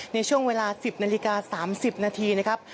ในช่วงเวลาสิบนาฬิกาสามสิบนาทีนะครับ